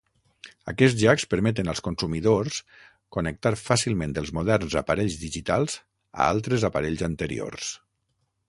Aquests jacks permeten als consumidors connectar fàcilment els moderns aparells digitals a altres aparells anteriors.